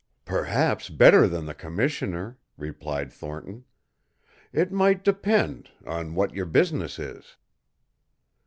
"Perhaps better than the Commissioner," replied Thornton. "It might depend on what your business is."